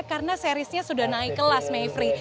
karena seriesnya sudah naik kelas mavri